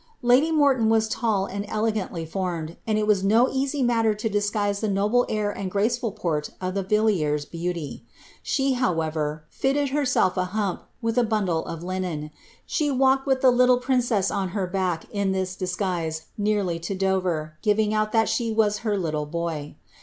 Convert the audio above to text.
^ Lady Morton lU and digantly formed, and it was no easy matter to disguise the air and gncefnl port of the Villiers beauty. She, however, fitted If op a hump, with a bundle of linen. She walked with the littlo ■o on her back in this disguise nearly to Dover, giving out that •M her little boy.'